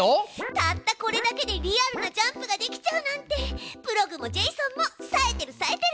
たったこれだけでリアルなジャンプができちゃうなんてプログもジェイソンもさえてるさえてる！